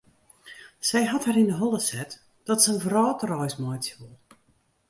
Sy hat har yn 'e holle set dat se in wrâldreis meitsje wol.